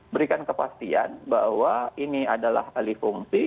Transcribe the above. berikan kepastian bahwa ini adalah alih fungsi